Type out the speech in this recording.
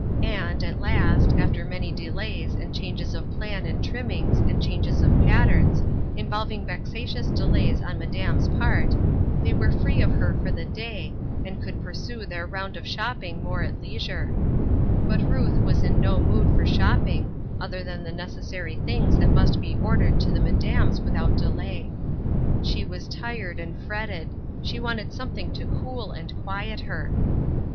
And, at last, after many delays, and changes of plan and trimmings, and changes of patterns, involving vexatious delays on "Madame's" part, they were free of her for the day, and could puisue their round of shopping more at leisure. But Ruth was in no mood for shopping, other than the necessary things that must be ordered to the " Madame's " without delay. She " That Which Satlsfieth Not." 341 was tired and fretted ; she wanted something to cool and quiet her.